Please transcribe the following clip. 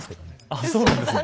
あっそうなんですね。